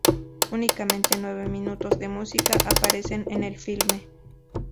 Únicamente nueve minutos de música aparecen en el filme.